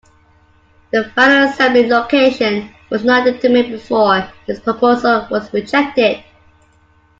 The final assembly location was not determined before this proposal was rejected.